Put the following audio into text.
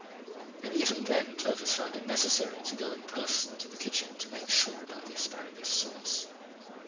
And even then Clovis found it necessary to go in person to the kitchen to make sure about the asparagus sauce.